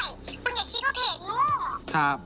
คุณต้องเป็นเหยื่อจริงก่อนแล้วคุณจะช่วย